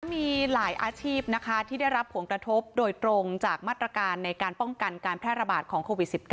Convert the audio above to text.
มีหลายอาชีพนะคะที่ได้รับผลกระทบโดยตรงจากมาตรการในการป้องกันการแพร่ระบาดของโควิด๑๙